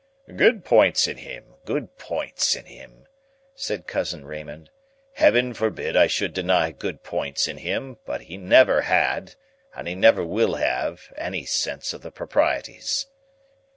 "Good points in him, good points in him," said Cousin Raymond; "Heaven forbid I should deny good points in him; but he never had, and he never will have, any sense of the proprieties."